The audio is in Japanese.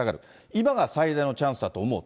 今が最大のチャンスだと思う。